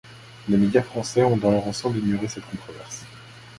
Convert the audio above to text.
Les médias français ont dans leur ensemble ignoré cette controverse.